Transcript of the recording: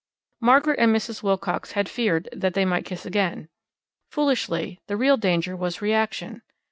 Margaret and Mrs. Wilcox had feared that they might kiss again. Foolishly: the real danger was reaction.